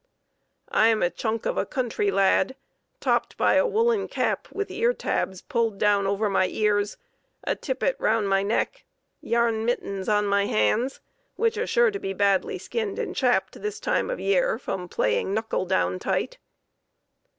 I am a chunk of a country lad, topped by a woolen cap with ear tabs pulled down over my ears, a tippet around my neck, yarn mittens on my hands, which are sure to be badly skinned and chapped this time of year from playing 'knuckle down tight.'